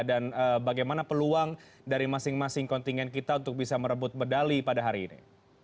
dan bagaimana peluang dari masing masing kontingen kita untuk bisa merebut medali pada hari ini